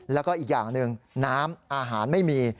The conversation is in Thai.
แล้วก็อีกอย่างหนึ่งน้ำอาหารไม่มี